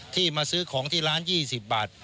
ที่มาซื้อของที่ร้าน๒๐บาท